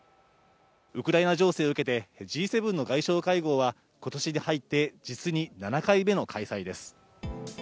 ウクライナ情勢を受けてＧ７の外相会合は今年に入って実に７回目の開催です